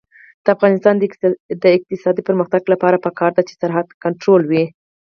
د افغانستان د اقتصادي پرمختګ لپاره پکار ده چې سرحد کنټرول وي.